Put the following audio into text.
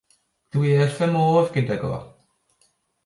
Dw i wrth 'y modd gydag o.